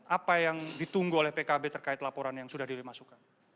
apa yang ditunggu oleh pkb terkait laporan yang sudah dimasukkan